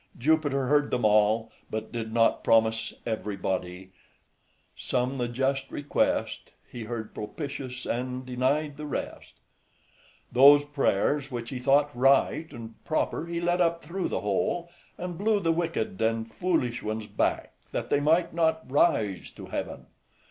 Jupiter heard them all, but did not promise everybody " some the just request, He heard propitious, and denied the rest." {185a} Those prayers which he thought right and proper he let up through the hole, and blew the wicked and foolish ones back, that they might not rise to heaven.